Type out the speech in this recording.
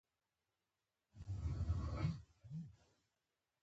زردالو د افغانانو د ګټورتیا او ټولنیز ژوند برخه ده.